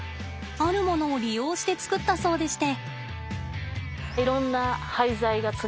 あるものを利用して作ったそうでして。